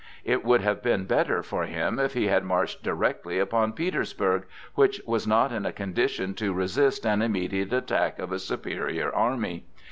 It would have been better for him if he had marched directly upon Petersburg, which was not in a condition to resist an immediate attack of a superior army.